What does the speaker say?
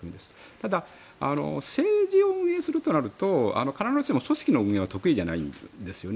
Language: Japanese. ただ、政治を運営するとなると必ずしも組織の運営は得意じゃないんですね。